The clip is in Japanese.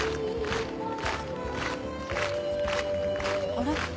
あれ？